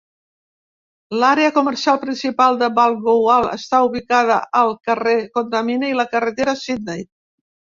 L'àrea comercial principal de Balgowlah està ubicada al carrer Condamine i la carretera Sydney.